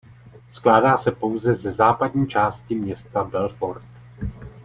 Skládá se pouze ze západní části města Belfort.